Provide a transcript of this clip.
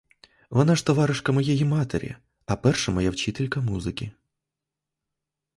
Вона ж товаришка моєї матері а перша моя вчителька музики.